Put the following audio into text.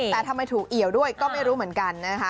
แต่ทำไมถูกเอี่ยวด้วยก็ไม่รู้เหมือนกันนะคะ